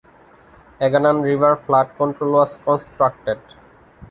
Aganan River flood control was constructed.